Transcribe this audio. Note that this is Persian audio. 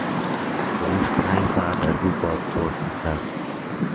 پلیس پنج ساعت از او بازپرسی کرد.